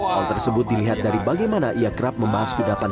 hal tersebut dilihat dari bagaimana ia kerap membahas kudapan